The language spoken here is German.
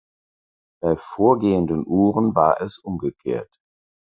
Bei vorgehenden Uhren war es umgekehrt.